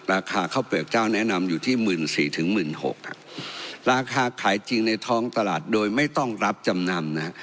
ราคาข้าวเปลือกเจ้าแนะนำอยู่ที่หมื่นสี่ถึงหมื่นหกอ่ะราคาขายจริงในท้องตลาดโดยไม่ต้องรับจำนำนะฮะ